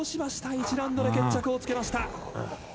１ラウンドで決着をつけました。